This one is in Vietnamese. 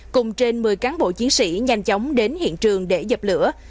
cùng trên một mươi cán bộ chiến sĩ nhanh chóng đến hiện trường để dập lửa